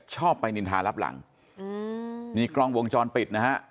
ชอบไปนินทารับหลังอืมนี่กล้องวงจรปิดนะฮะ